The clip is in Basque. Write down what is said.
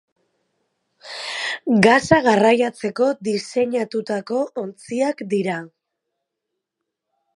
Gasa garraiatzeko diseinatutako ontziak dira.